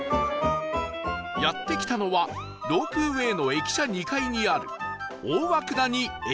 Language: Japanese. やって来たのはロープウェイの駅舎２階にある